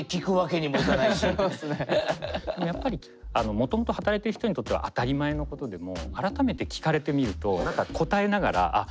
もともと働いてる人にとっては当たり前のことでも改めて聞かれてみると何か答えながらあっ